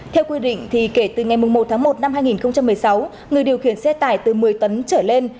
theo quy định thì kể từ ngày một tháng một năm hai nghìn một mươi sáu người điều khiển xe tải từ một mươi tấn trở lên